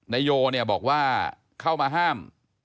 นายโยเนี่ยบอกว่าเข้ามาห้าม